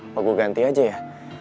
mau gue ganti aja ya